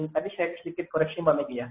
tadi saya sedikit koreksi mbak megi ya